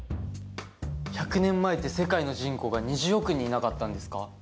１００年前って世界の人口が２０億人いなかったんですか？